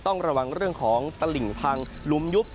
ต้องระวังเรื่องของตลิ่งพังลุมยุบ